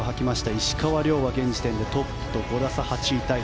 石川遼はトップと５打差、８位タイ。